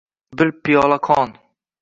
Bir piyola qon.